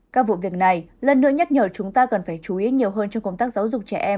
các vụ việc này lần nữa nhắc nhở chúng ta cần phải chú ý nhiều hơn trong công tác giáo dục trẻ em